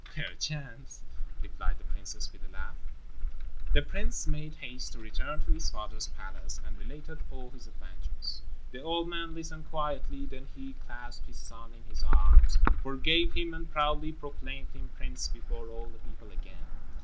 "Perchance," replied the princess, with a laugh. The prince made haste to return to his father's palace and related all his adventures. The old man listened quietly, then he clasped his son in his arms, forgave him, and proudly proclaimed him prince before all the people again.